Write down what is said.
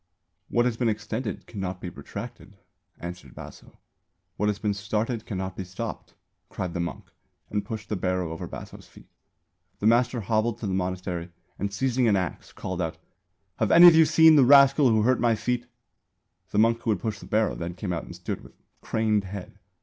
"What has been extended cannot be retracted," answered Baso. "What has been started cannot be stopped," cried the monk and pushed the barrow over Baso's feet. The master hobbled to the monastery and seizing an axe called out "Have any of you seen the rascal who hurt my feet?" The monk who had pushed the barrow then came out and stood "with craned head."